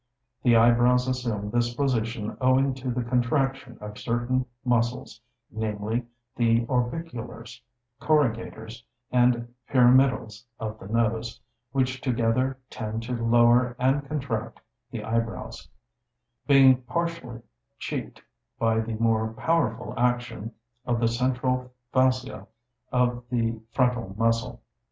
The eyebrows assume this position owing to the contraction of certain muscles (namely, the orbiculars, corrugators, and pyramidals of the nose, which together tend to lower and contract the eyebrows) being partially cheeked by the more powerful action of the central fasciæ of the frontal muscle.